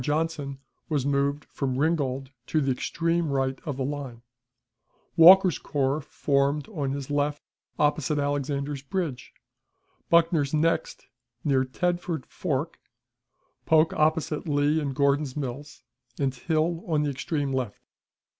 Johnson was moved from Ringgold to the extreme right of the line; Walker's corps formed on his left opposite Alexander's Bridge, Buckner's next, near Tedford Ford, Polk opposite Lee and Gordon's Mills, and Hill on the extreme left.